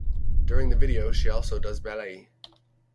During the video she also does ballet.